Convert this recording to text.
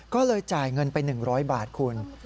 ก็เลยจ่ายเงินไป๑๐๐บาทคุณ